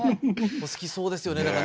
お好きそうですよね